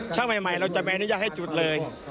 ถ้าใหม่เราจะไม่อนุญาตให้จุดเลย